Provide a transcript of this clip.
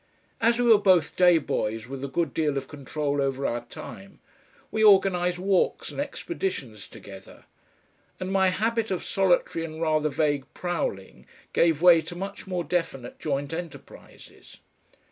As we were both day boys with a good deal of control over our time we organised walks and expeditions together, and my habit of solitary and rather vague prowling gave way to much more definite joint enterprises.